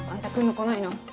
来ないの？